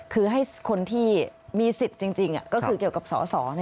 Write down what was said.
คือให้คนที่มีสิทธิ์จริงก็คือเกี่ยวกับสส